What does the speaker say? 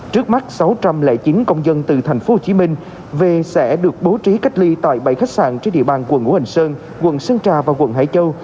trước mắt sáu trăm linh chín công dân từ thành phố hồ chí minh về sẽ được bố trí cách ly tại bảy khách sạn trên địa bàn quận ngũ hành sơn quận sơn trà và quận hải châu